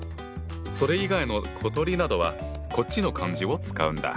それ以外の小鳥などはこっちの漢字を使うんだ。